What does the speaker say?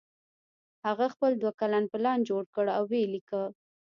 هغه خپل دوه کلن پلان جوړ کړ او ویې لیکه